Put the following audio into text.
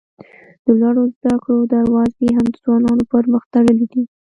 د لوړو زده کړو دروازې هم د ځوانانو پر مخ تړلي دي.